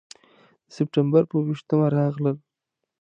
د سپټمبر پر اوه ویشتمه راغلل.